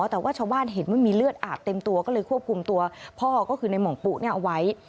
แต่ว่าชาวบ้านเห็นว่ามีเลือดอาบเต็มตัวก็เลยควบคุมตัวพ่อก็คือในห่องปุ๊เอาไว้